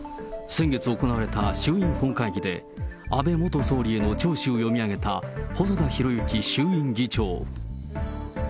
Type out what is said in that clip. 先月行われた衆院本会議で、安倍元総理への弔詞を読み上げた細田博之衆議院議長。